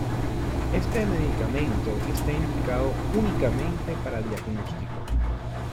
Este medicamento está indicado únicamente para diagnóstico.